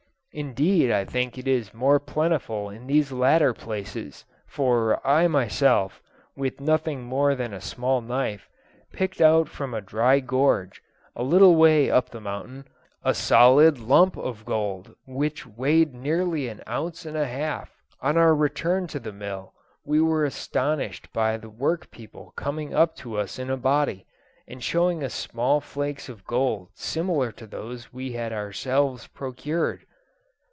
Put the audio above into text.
Indeed I think it is more plentiful in these latter places, for I myself, with nothing more than a small knife, picked out from a dry gorge, a little way up the mountain, a solid lump of gold which weighed nearly an ounce and a half. "On our return to the mill, we were astonished by the work people coming up to us in a body, and showing us small flakes of gold similar to those we had ourselves procured.